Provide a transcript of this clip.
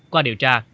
qua điều tra